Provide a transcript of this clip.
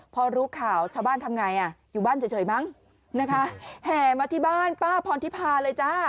พอรู้ข่าวชาวบ้านทำไงอ่ะอยู่บ้านเฉยมั้งนะคะแห่มาที่บ้านป้าพรทิพาเลยจ้า